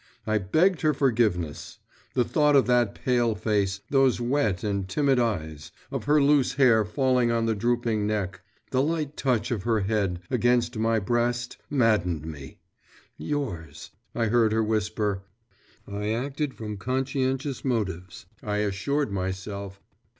I begged her forgiveness. The thought of that pale face, those wet and timid eyes, of her loose hair falling on the drooping neck, the light touch of her head against my breast maddened me. 'Yours' I heard her whisper. 'I acted from conscientious motives,' I assured myself.